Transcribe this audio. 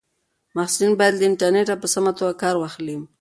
محصلین باید له انټرنیټه په سمه توګه کار واخلي.